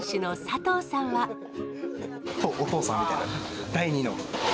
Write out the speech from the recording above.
お父さんみたいな、第二の。